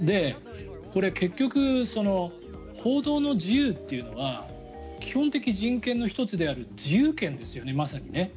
結局、報道の自由というのは基本的人権の１つである自由権ですよね、まさに。